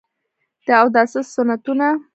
د اوداسه سنتونه: